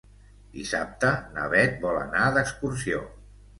Dissabte na Bet vol anar d'excursió.